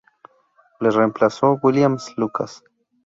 Le reemplazó William Lucas.